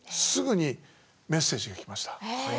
すぐにメッセージがきました。